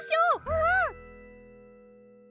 うん！